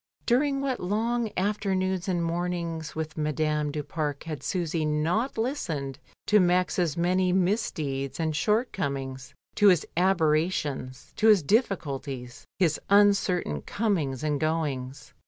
During what long afternoons and mornings with Madame du Pare had Susy not listened to Max's many misdeeds and shortcomings, to his aberrations, to his difficulties, his uncertain comings and goings.